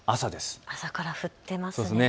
朝から降っていますね。